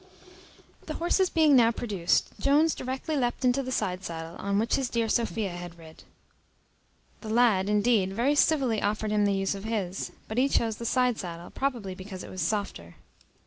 The horses being now produced, Jones directly leapt into the side saddle, on which his dear Sophia had rid. The lad, indeed, very civilly offered him the use of his; but he chose the side saddle, probably because it was softer.